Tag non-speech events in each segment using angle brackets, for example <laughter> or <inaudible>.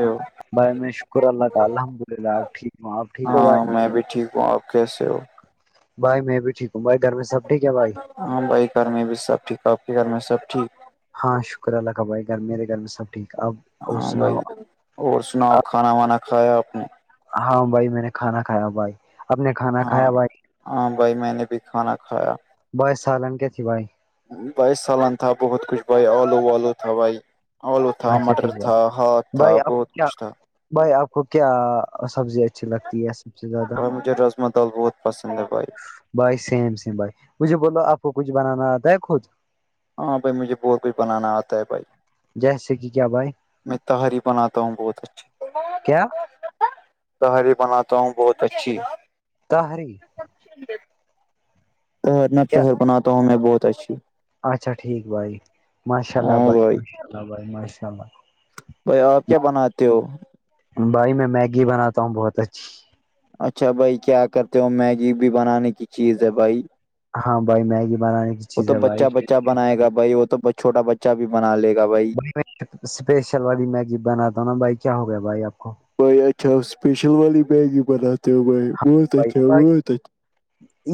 ہو بھائی میں شکر اللہ تعی الحمد للہ آپ ٹھیک ہو آپ ٹھیک ہو بھائی ہاں میں بھی ٹھیک وہ آپ کیسے ہو بھائی میں بھیٹھیک ہوں بھائی گھر میں سب ٹھیک ہے بھائی ہاں بھائی گھر میں بھی سب ٹھیک آپ کے گھر میں سب ٹھیک ہاں شکر اللہ کاب بھائی گھرمییرے گھر میں سب ٹھیک اب <unintelligible> ہاں بھائی سناؤ اور سناؤپ اب کھانا وانا کھایا آپ نے ہاں بھائی میں نے کھانا کھا بھائی اپپ نے کھانا ہاں کھایا بھائی ہاں بھائی میں نے بھی کھانا کھایا بس سالن کے تھی بھائی <unintelligible> بائیس سالان تھا بہت کچھ بھائی آلو والالو تھا بھائی آلو تھا اچھا مٹر ٹھیک تھا بھائی ہاک تھا بھائی آپ کو بہت کیا کچھ تھا بھائی آپ کو کیا سبزی ا اچھی لگتی ہے سب سے زیادہ بھائی مجھے رزما دال بہت پسند ہے بھائی بھائی سیم سیم بھائی مجھے بولو آپ کو کچھ بنانا آتا ہے خود ہاں بھائی مجھے بہت کچھ بنانا آتا ہے بھائی جیسے کہ کیا بھائی میں تہاری بناتا ہوں بہت اچھی کیا سہاری بناتا ہوں بہت اچھی تری تہرنا کیا تہر بناتا ہوں میں بہت اچھی اچھا ٹھیک بھائی ماشاء اللہ بھائی ماشاء اللہ بھائی ماشاء اللہ بھائی آپ کیا بناتے ہو بھائی میں میگی بناتا ہوں بہت اچھی اچھا بھائی کیا کرتے ہو میگی بھی بنانے کی چیز ہے بھائی ہاں بھائی میگی بنانے کی وہ چیز تو ہے بھائی بچہ بچہ بنائے گا بھائی وہ تو چوٹا بچہ بھی بنا لے گا بھائی اسپیشل والی میگی بناتا ہوں نا بھائی کیا ہو گیا بھائی آپ کو بھائی اچھا اسپیشل والی بیگ ہی بناتے ہو بھائی بہت بھائی اچھا بھائی بت اچ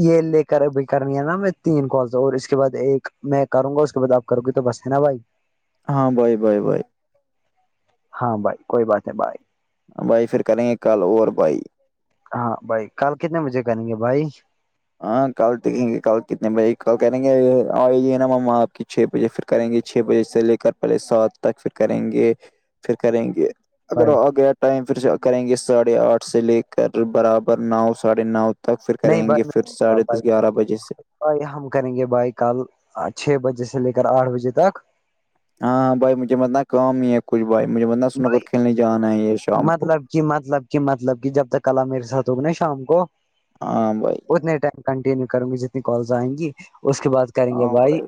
یہ لے کر ابھی کرنی ہے نا میں تین کالس اور اس کے بعد ایک میں کروں گا اس کے بعد اپ کر گی تو بس ہے نا بھائی ہاں بائے بائے بائے ہاں بھائی کوئی بات ہے بھائی بھائی پھر کریں گے کل اور بھائی ہاں بھائی کل کتنے بجے کریں گے بھائی ہاں کل دیکھیں گے کل کتنے بجے کل کہیں گے آئیے نا ما آپ کی چھ بجے فری کریں گے چھ بجے سے لے کر پہلے سات تک پھر کریں گے پھر کریں گے اگر بھائی آ گیا ٹائم پھر کریں گے ساڑھے آٹھ سے لے کر برابر نو ساڑھے نو تک پھر نہیں کریں گے بھائی پھر میں ساڑھے بھائی دس گیارہ بجے سے ہم کریں گے بھائی کل چھ بجے سے لے کر آٹھ بجے تک ہاں بھائی مجھے مت کام ہی ہے کچھ بھائی مجھے مت سنو کر کھیلنے جانا ہے یہ شام کو سب کی مطلب کہ مطلب کی جب تک ک میرے ساتھ ہوگی نا شام کو ہاں بھائی اتنے ٹائم کنٹینیو کروں گی جتنی کالز آئیں گی اس کے بعد کریں گے بھائی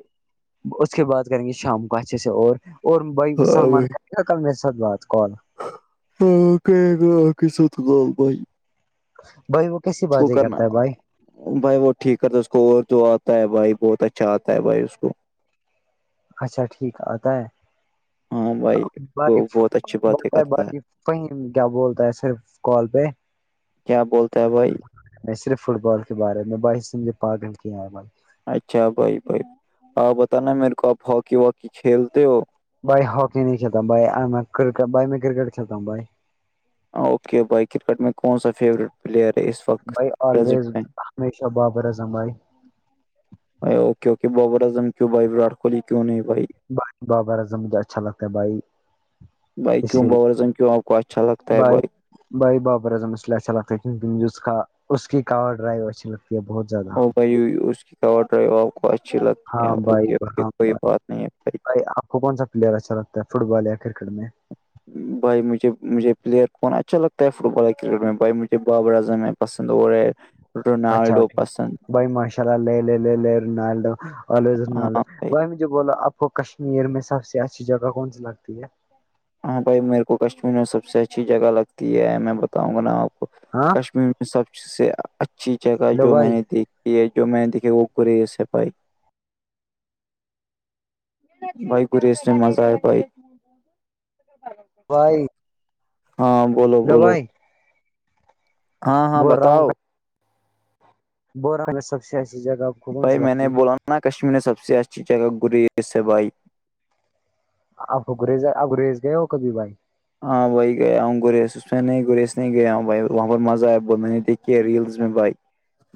اس کے بعد کریں گے شام کو اچھے سے اور اور بھائی ہاں سلمان بھائی خان کل میرے سب بات کال ہاں کہے گا آ کہ سال بھائی بھائی وہ کیسی اس کو بازیں کرنا کرتا ہے بھائی بھائی وہ ٹھیک کرتا اس کو اور جو آتا ہے بھائی بہت اچھا آتا ہے بھائی اس کو اچھا ٹھیک آتا ہے ہاں بھائی وہ بق بہت اچھی باتیں بولتا ہے کرتا بقی کہیں کیا بولتا ہے صرف کال پہ کیا بولتا ہے بھائی میں صرف فٹ بال کے بارے میں باس سند یہ پاگل عل اچھا بھائی بھائی آ بتانا میرے کو آپ ہاکی واکی کھیلتے ہو بھائی ہاکی نہیں کلتا ہوں بائی میں کر بھائی میں کرکٹ کھیلتا ہوں بھائی اوکے بھائی کرکٹ میں ک کون سا فیوریٹ پلیئر ہے اس وقت بائی پرزینٹ آلویز میں ہمیشہ بابر اضم بائی کیک کہ بابر اظم کیوں بھائی وراٹ کوہلی کیوں نہیں بھائی بھائی بابر اعظم مجھے اچھا لگتا ہے بھائی بائک کیوں باور جن کیوں اوقش چلک بائے بھائی بابر اظم اسے اچھا لگتا ہے کیک کا اس کی کاور ڈرائیو اچھی لگتی ہے بہت زیادہ او بھائی اس کی ک ڈرائی آپ کو اچھے لگتے ہیں اوکے اوکے کوئی بات نہیں ہے بائی آپ کون سا پلیئر اچھا لگتا ہے فٹ بال یا کرکٹ میں بھائی مجھے مجھے پلیئ کون اچھا لگتا ہے فٹ بال ہے کرکٹ میں بھائی مجھے بابر اظم ہے پسند وہے اچھا روناالڈو ٹھیک پسند بھائی ماشاء اللہ ل ہاں بھائی لوو بھ جھ بولو آپ کو کشمیر میں سب سے اچھی جگہ کون سی لگتی ہے ہاں بھائی میرے کو کشمیر میں سب سے اچھی جگہ لگتی ہے میں بتاؤں گا نا آپ کو ہاں کشمیر سب سے اچھی جگہ لو جو میں بھائی نے دیکھی ہے جو میں نے دیکھی وہ گریز ہے بائک بھائی گریی اس میں مزہ آ ہے بھائی بائی ہاں بولو بولو <unintelligible> ہاں ہاں بتاؤ بور میں سب سے اچھی جگہ کو کون بھائی سی میں نے لگتی ہے بولا نا کشمیر میں سب سے اچھی جگہ گریس بھائی اب گریز ا گریز گئے ہو کبھی بھائی ہاں بھائی گیا ہوں گریس اس میں نہیں گرییس نہیں گیا ہوں بھائی وہاں پر مزہ آیا میں نے دیکھیے ہے ریلس میں بھائی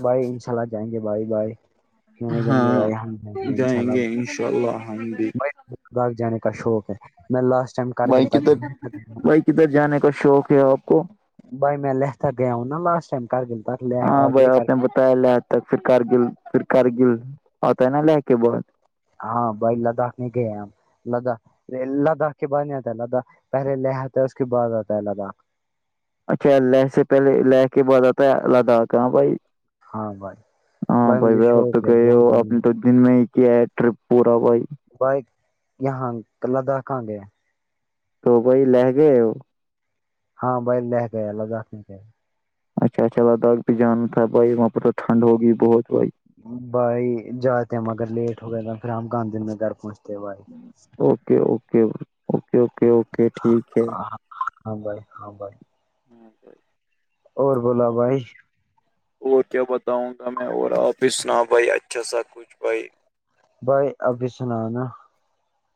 بھائی ان شاء اللہ جائیں گے بھائی بائی کیوں نہیں جائیں گے ہاں بھائی ہم گے ان شاء جائیں اللہ گے انشاء اللہ ہم بھی باغ جانے کا شوق ہے میں لاسٹ ٹائم کر بھائی گلتا کدھر بھائی کدھر جانے کا شوق ہے آپ کو بھائی میں لہتاک گیا ہوں نا لاسٹ ٹائم کر گلتا لے ہاں بھائی آگئے آپ بتایا لے آتا پھر کارگل پھر کارگل آتا ہے نا لے کے بہت ہاں بائی لداخ میں گئے ہم <unintelligible> لداخ لداخ کے بعد نہیں آتا لداخ پہلے لے آتا ہے اس کے بعد آتا ہے لداخ اچھا ل سے پہلے لے کے بعد آتا ہے لداخ کا بھائی ہاں بھائی ہاں بھائی مجھے بائی آپ تو شوق ہے گئے ہو بہت آپ جانے نے کا. دو دن میں ہی کیا ہے ٹرپ پورا بھائی بائ یہاں لداخ کہاں گئے تو وہائی لہ گئے ہو ہاں بیل لے گئے الداخ نہیں کہ اچھا اچھا لدا پہ جانا تھا بھائی وہاںہ تو ٹھنڈ ہوگی بہت بھائی بھائی جاتے ہیں ہم اگر لیٹ ہو گئے تو پھر ہم گاندھی میں گھر پہنچتے بھائی okay okay okay okay okay ٹھیک ہے ہاں بائی ہاں بھائی ہوں س <unintelligible> اور بولا بھائی اور کیا بتاؤں گا میں اور آپ ہی سنا بھائی اچھا سا کچھ بھائی بھائی ابھی سنا نا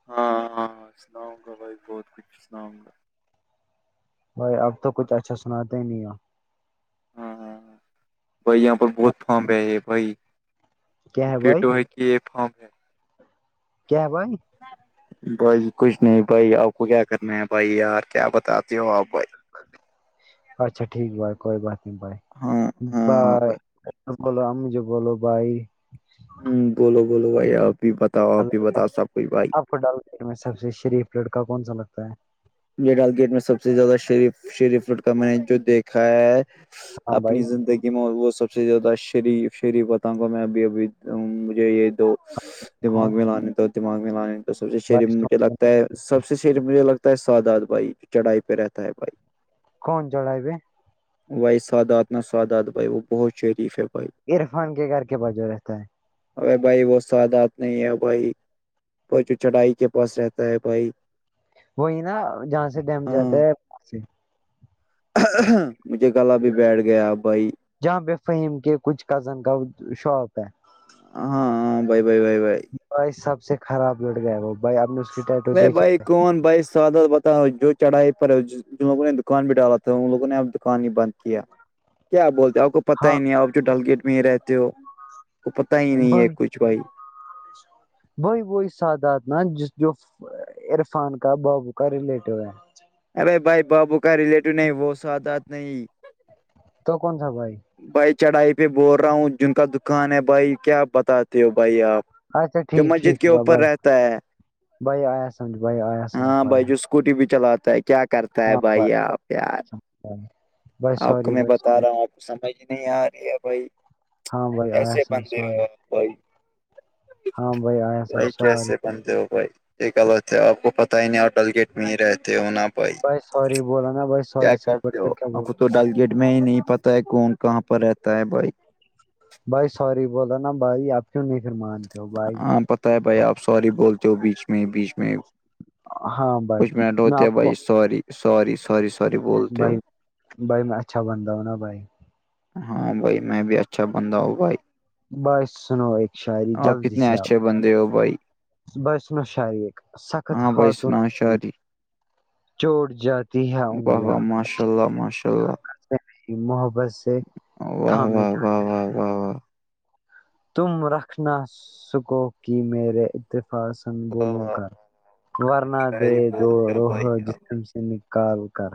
ہاں ہاں سناؤں گا بھائی بہت کچھ سناؤں گا بھائی اب تو کچھ اچھا سناتے ہی نہیں ہو ہاں ہاں بھائی یہاں پر بہت فارم ہے یہ بھائی کیا یہ بھائی پیٹو ہے کہ یہ فارم ہے کیا بھائی بھائی کچھ نہیں بھائی آپ کو کیا کرنا ہے بھائی یار کیا بتاتے ہو آپ بھائی اچھا ٹھیک بھائی کوئی بات نہیں بھائی ہاں ہاں ہاں بائے بھائی ہ بو ہمیں جو بول بائی ہوں بولو بولو بھائی آپ بھی بتاؤ آپ بھی اللہ کا بتاؤ سب کوھ بھائی آپ کو ڈالیر میں سب سے شریف لڑکا کون سا لگتا ہے ج ڈال گیٹ میں سب سے زیادہ شریف شریف روٹ کا میں نے جو دیکھا ہے ہاں اپنی بھائی زندگی میں وہ سب سے زیادہ شریف شریف بتاں گا میں ابھی ابھی مجھے یہ تو دماغ کون میں لانے تو دماغ میں لانے تو سب سے شرف بھائی میھے سو- لگتا ہے سب سے شرف مجھے لگتا ہے ساداد بھائی چڑھائی پہ رہتا ہے بھائی کون چلائیب بھائی سادات نہ سادات بھائی وہ بہت شریف ہے بھائی عرفان کے گھر کے بجو رہتا ہے ار بھائی وہ سادات نہیں ہے بھائی وہ جو چڑھائی کے پاس رہتا ہے بھائی وہی نا جہاں سے ڈیم جاتا ہاں ہے سے، مجھے گلا بھی بیٹھ گیا بھائی جہاں فہیم کے کچھ کزن کا شاپ ہے ہاں ہاں بائی بائی بھائی بائی بھائی سب سے خراب لڑ گیا ہے وہ بھائی آپ نے اس کے ٹٹو دیکھے ہے فون بائیس <unintelligible> ساد بتاؤ جو چڑھاائے پر جن لوگوں نے دکان بھی ڈالا تھا ان لوگوں نے اب دکان ہی بند کیا کیا بولتے آپ کو پتا ہاں ہی نہیں آپ جو ڈل گیٹ میں ہی رہتے ہو وہ پت ہی نہیں ہے کچھ بھائی شا <unintelligible> وہی وہی سادات نا جس جو عرفان کا بابو کا ریلیٹو ہے ارے بھائی بھائی بابو کا ریلیٹو نہیں وہ ساتھ آاتھ نہیں تو کون تھاا بھائی بھائی چڑھائی پہ بول رہا ہوں جن کا دکان ہے بھائی کیا بتاتے ہو بھائی آپ اچھا جو ٹھیک مسجد ٹھیک کے با اوپر بائے رہتا ہے بایا آیا سمجھ بائےیا آیا سمجھ بائے کوٹی بھی چلاتا ہے کیا کرتا ہے بھائی آپ پیار سمجھ بھائی بھائی آپ کو سوری میں بھائی بتا سوری رہا ہوں سمجھ نہیں آ رہی ہے بھائی ہاں بھائی آیا کیسے سمجھ بندے سوری ہو ب ہاں بھائی آیا بائی سمجھ سوری کیسے کن <unintelligible> بھائی یہ غط ہے آپ کو پتا ہی نہیں آپ ڈل گیٹ میں ہی رہتے ہو نا آپ بھائی سوری بولا نا بھائی سوری سے کرتے بیٹھ کر ہو کیا آپ بول کو تو ڈل گیٹ میں ہی نہیں پتا ہے کون کہاں پر رہتا ہے بائک بھائی سور بولا نا بھائی آپ چوں نہیں پھر مارتے ہو <inaudible> ہاں پت ہے بھائی آپ سوری بولتے ہو بیچ میں ہی بیچ میں ہاں بھائی کچھ منٹ میں ہوتے ہیں آپ کو بھائی ساری ساری ساری سوری بولتے ہو بھائی <unintelligible> بھائی میں اچھا بنند ہوں نا بھائی ہاں بھائی میں بھی اچھا بندہ ہوں بھائی بس سنو ایک شاعری آپ جلدی سے کتنے آپ اچھے بندے ہو بھائی بسم شاریک سخت ہاں بھائی حاتون سناؤ شاعری چوٹ جاتی ہے واہ واہ انگلیاں ماشاء اللہ ماشاء اللہ محبت سے واہ تھامے واہ جات واہ واہ واہ واہ تم رکھنا سکو کہ میرے اتفاظ ن واہ بولو واہ کر واہ، ورنا دے شاعری دو بولتے ہو روح بھائی آپ جس <unintelligible> انقال کر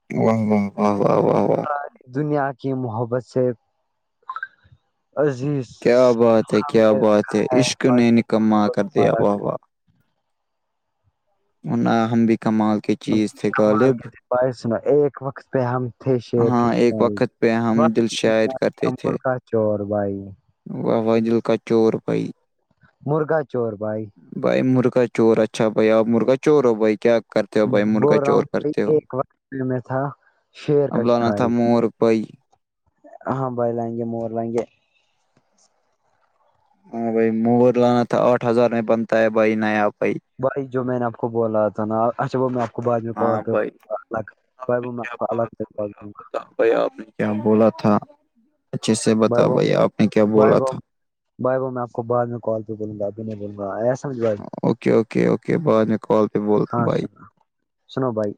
<unintelligible> اری دنیا کی محبت سے عزیز کیا بات ہے ہم کیا نے بات رکھا ہے عشق نے فاتح خود نکما کو کر دیا تمہارا وواہ ہم بھیکمال کی چیز تھے ال غالب تھ ب سنو ایک وقت پہ ہم تھ شیر کے ہاں ایک شاری وقت پہ ہم باقی دل شاعر شمبر کا چور بھائی و دل کچور پئی <unintelligible> مرغا چور بھائی بھائی مرغا چور اچھا بھائی اور مرغا چور ہو بھائی کیا کرتے ہو بھائی مرغا وہ راؤ چور بھائی کرتے ہو ایک وقت میں تھا شیر کا اب لانا تھا شکاری مور بئی <unintelligible> ہاں بر لے مور لنے ہاں بھائی مور لانا تھا آٹھ ہزار میں بنتا ہے بھائی نیا بھائی بھائی جو میں نے آپ کو بولا تھا نا اچھا وہ بعد میں ہاں بھائی الگ بھیا آپ نے کیا بولا تھا اچھے سے بتا بھیا آپ نے کیا بولا تھا بائی بو میں آ کو بعد میں کال پہ بولوں گا اب نہیں بول گا س اوکے اوکے اوکے بع میں کال پہ بولتا ہوں ہاں بھائی سنو سنو بھائی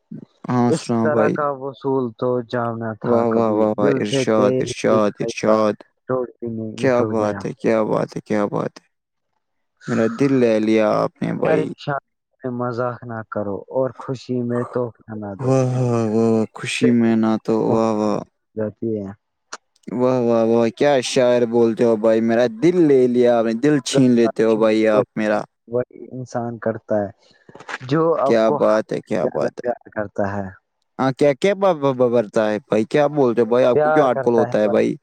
ہاں اس سنا طرح بھائی کا اصول تو جاننا تھا واہ واہ کبھی واہ واہ دل سے ارشاد تیرل ارشاد ارشاد چڑ بھی نہیں کیا نکل گیا بات ہے کیا بات ہے کیا بات ہے میرا دل لے لیا آپ نے بھائی پریشان مذاق نہ کرو اور خوشی قیم تو ک دو واہ واہ واہ واہ سے خوشی میں نہ تو واہ واہ جاتی ہے واہ واہ واہ کیا شاعر بولتے ہو بھائی میرا دل لے لیا آپ نے دل چھین لیتے ہو غلط بھائی اور آپ میرا وہی انسان کرتا ہے جو آپ کیا کو ہ بات ہے سے کیا زیادہ بات ہے پیار کرتا ہے ہاں کیا کیارتا ہے بھائی کیا بولتے ہو بھائی آپ کو کیا پیار آٹ کوول کرتا ہوتا ہے ب بھائی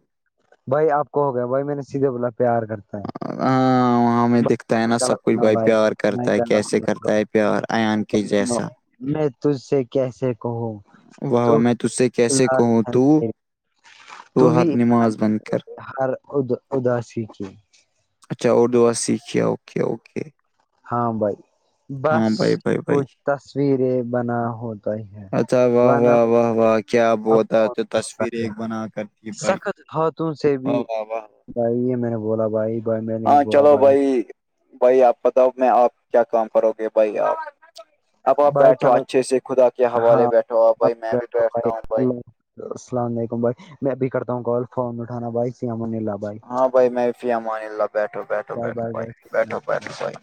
بھائی آپ کو ہو گیا بھائی میں نے سیدھے بولا پیار کرتا ہے ہاں وہاں ہمیں دکھتا ہے بھائی، نا سب غلط کچھ نہ بھائی پیار میں کرتا ہے غلط کیسے سنا کرتا بھائی، ہے پیار ایان کے سنو جیسا میں تج سے کیسے کہوں واہ تو ہی میں تے کیسے علاج کہوں ہے تو میری، تو تہر ہی علاج نماز بند ہے کر ہر ا اداسی کی اچھا اردو سیکھیے اوکے اوکے ہاں بھائی بس ہاں بھائی بھائی بھائی کچھ تصویریں بنا ہوتا ہی ہے اچھا واہ بن واہ واہ واہ کیا بولتا افغ تو کرتا تصویر ایک ہے بنا کرتی بھائی سخت ہاتوں سے بھی واہ واہ واہ بھائی یہ میں نے بولا بھائی بھائی میں نے یہ ہاں بولا چلو بھائی بھائی آپ بتاؤ میں آپ کیا کام کرو گے بھائی آپ اب آپ بھائی بیٹھو چلو اچھے سے خدا کے حوالے ہاں بیٹھو آپ اب بھائی میں بھی بیٹھو بیٹھتا ہوں بھائی اللہ السلام علیکم بھائی میں ابھی کرتا ہوں کال فون اٹھانا بھائی سمن ہاں بھائی میںفیم اللہ بیٹھو بیٹھو بائے بیٹھو بائے بھائی بیٹھو بائے بیٹھو بھائی